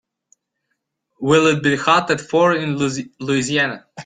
Will it be hot at four in Louisiana?